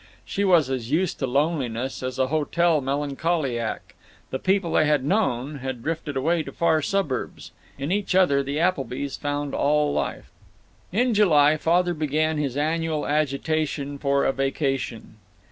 She was as used to loneliness as a hotel melancholiac; the people they had known had drifted away to far suburbs. In each other the Applebys found all life. In July, Father began his annual agitation for a vacation.